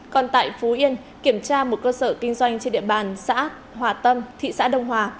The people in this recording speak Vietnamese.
còn tại phú yên kiểm tra một cơ sở kinh doanh trên địa bàn xã hòa tâm thị xã đông hòa